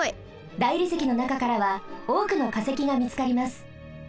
大理石のなかからはおおくのかせきがみつかります。